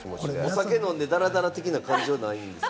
お酒飲んでダラダラとかはないんですか？